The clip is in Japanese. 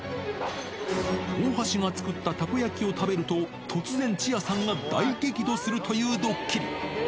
大橋が作ったたこ焼きを食べると、突然チアさんが大激怒するというドッキリ。